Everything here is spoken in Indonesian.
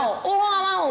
aku gak mau